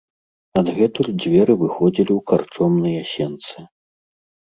Адгэтуль дзверы выходзілі ў карчомныя сенцы.